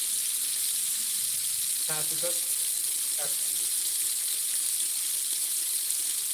تاسیسات پزشکی ما در دست بهسازی است.